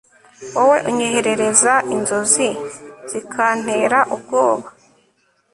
wowe unyoherereza inzozi zikantera ubwoba